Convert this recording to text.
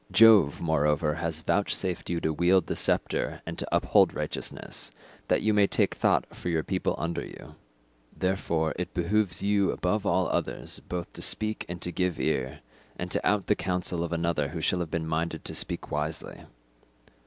Jove, moreover, has vouchsafed you to wield the sceptre and to uphold righteousness, that you may take thought for your people under you; therefore it behooves you above all others both to speak and to give ear, and to out the counsel of another who shall have been minded to speak wisely.